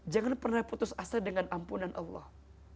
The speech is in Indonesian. jangan pernah putus asa dengan ampunan allah